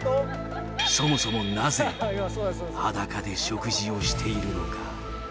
そもそもなぜ、裸で食事をしているのか。